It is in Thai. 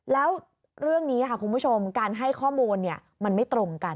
แล้วเรื่องนี้ค่ะคุณผู้ชมการให้ข้อมูลมันไม่ตรงกัน